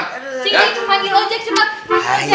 cik cik manggil ojek cepet